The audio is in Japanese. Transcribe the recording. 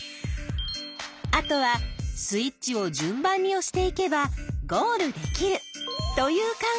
あとはスイッチを順番におしていけばゴールできるという考え。